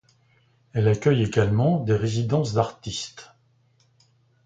Elle accueille également des résidences d'artistes.